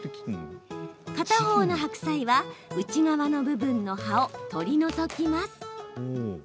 片方の白菜は内側の部分の葉を取り除きます。